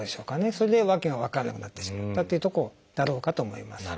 それで訳が分からなくなってしまったっていうとこだろうかと思います。